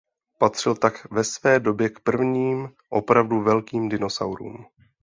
Patřil tak ve své době k prvním opravdu velkým dinosaurům.